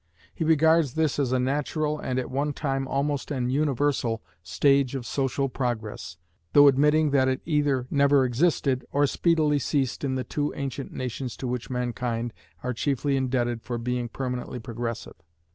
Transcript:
He regards this as a natural, and at one time almost an universal, stage of social progress, though admitting that it either never existed or speedily ceased in the two ancient nations to which mankind are chiefly indebted for being permanently progressive.